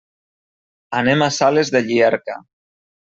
Anem a Sales de Llierca.